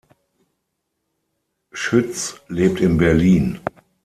Schütz lebt in Berlin.